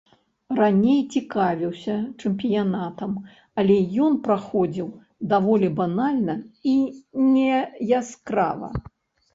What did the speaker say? Раней цікавіўся чэмпіянатам, але ён праходзіў даволі банальна і неяскрава.